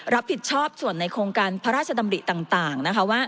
รับผิดชอบส่วนในโครงการพระราชดำริต่างนะคะว่า